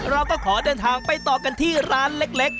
เราก็ขอเดินทางไปต่อกันที่ร้านเล็ก